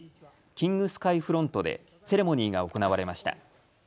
キングスカイフロントでセレモニーが行われました。